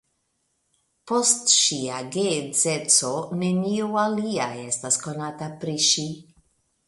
Post ŝia geedzeco nenio alia estas konata pri ŝi.